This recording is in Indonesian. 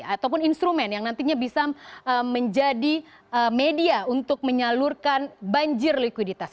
ataupun instrumen yang nantinya bisa menjadi media untuk menyalurkan banjir likuiditas